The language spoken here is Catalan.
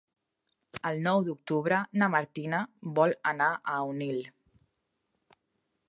El nou d'octubre na Martina vol anar a Onil.